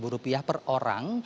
tujuh puluh rupiah per orang